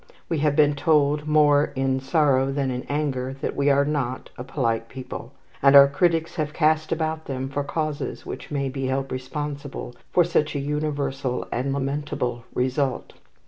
We have been told, more in sorrow than in anger, that we are not a polite people; and our critics have cast about them for causes which may be held responsible for such a universal and lamentable result.